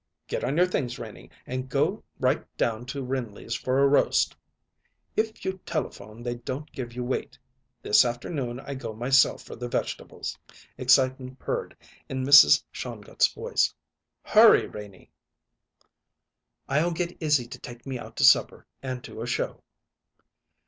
"Get on your things, Renie, and go right down to Rindley's for a roast. If you telephone they don't give you weight. This afternoon I go myself for the vegetables." Excitement purred in Mrs. Shongut's voice. "Hurry, Renie!" "I'll get Izzy to take me out to supper and to a show."